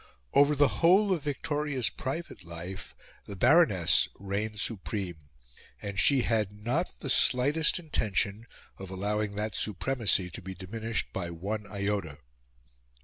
Over the whole of Victoria's private life the Baroness reigned supreme; and she had not the slightest intention of allowing that supremacy to be diminished by one iota.